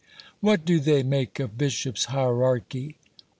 _ What do they make of bishop's hierarchy?